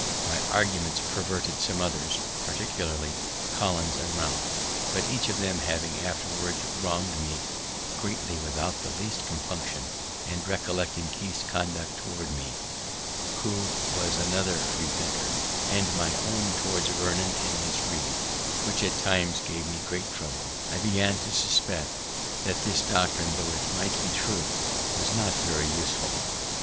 My arguments perverted some others, particularly Collins and Ralph; but, each of them having afterwards wrong'd me greatly without the least compunction, and recollecting Keith's conduct towards me (who was another free thinker), and my own towards Vernon and Miss Read, which at times gave me great trouble, I began to suspect that this doctrine, tho' it might be true, was not very useful.